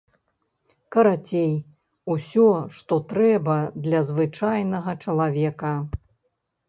Карацей усё, што трэба для звычайнага чалавека.